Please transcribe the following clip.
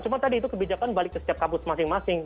cuma tadi itu kebijakan balik ke setiap kampus masing masing